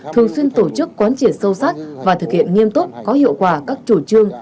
thường xuyên tổ chức quán triển sâu sắc và thực hiện nghiêm túc có hiệu quả các chủ trương